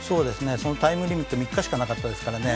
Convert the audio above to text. そのタイムリミット３日しかなかったですからね